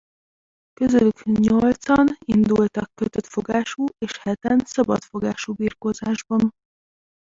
Közülük nyolcan indultak kötöttfogású- és heten szabadfogású birkózásban.